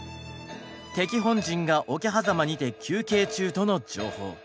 「敵本陣が桶狭間にて休憩中」との情報。